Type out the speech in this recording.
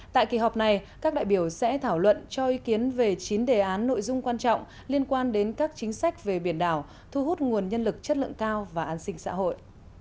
tại kỳ họp này các đại biểu sẽ thảo luận cho ý kiến về chín đề án nội dung quan trọng liên quan đến các chính sách về biển đảo thu hút nguồn nhân lực chất lượng cao và an sinh xã hội